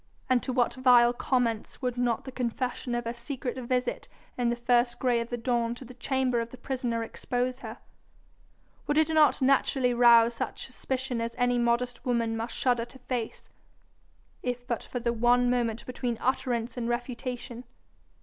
And to what vile comments would not the confession of her secret visit in the first grey of the dawn to the chamber of the prisoner expose her? Would it not naturally rouse such suspicion as any modest woman must shudder to face, if but for the one moment between utterance and refutation.